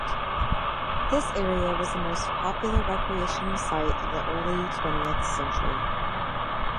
This area was a most popular recreational site of the early twentieth century.